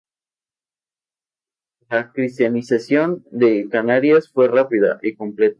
La cristianización de Canarias fue rápida y completa.